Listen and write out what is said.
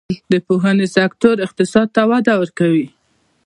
د پوهنې سکتور اقتصاد ته وده ورکوي